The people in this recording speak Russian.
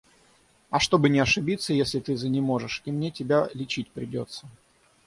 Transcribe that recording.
А чтобы не ошибиться, если ты занеможешь и мне тебя лечить придется.